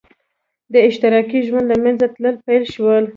د اشتراکي ژوند له منځه تلل پیل شول.